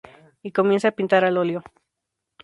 Y comienza a pintar al óleo.